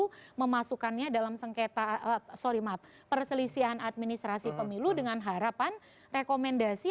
itu memasukkannya dalam perselisihan administrasi pemilu dengan harapan rekomendasi